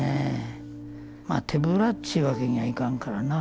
まぁ手ぶらっちゅうわけにはいかんからなぁ。